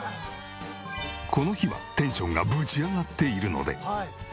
この日はテンションがぶち上がっているので。